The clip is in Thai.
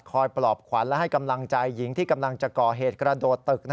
ปลอบขวัญและให้กำลังใจหญิงที่กำลังจะก่อเหตุกระโดดตึก